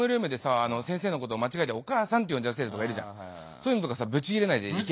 そういうのとかぶち切れないでいける？